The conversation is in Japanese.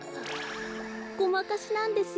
「ごまかし」なんですよ。